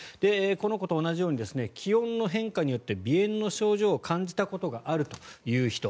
この子と同じように気温の変化によって鼻炎の症状を感じたことがあるという人。